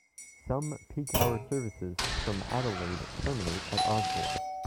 Some peak hour services from Adelaide terminate at Osborne.